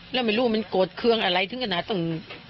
แล้วไม่รู้ว่ามันโกรธเครื่องอะไรถึงขนาดต้อง